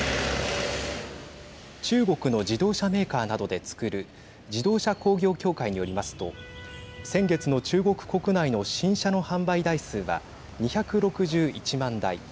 中国の自動車メーカーなどでつくる自動車工業協会によりますと先月の中国国内の新車の販売台数は２６１万台。